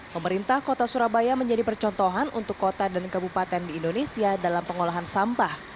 pemerintah kota surabaya menjadi percontohan untuk kota dan kabupaten di indonesia dalam pengolahan sampah